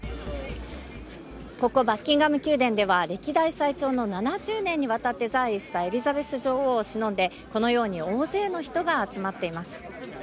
ここ、バッキンガム宮殿では、歴代最長の７０年にわたって在位したエリザベス女王をしのんで、このように大勢の人が集まっています。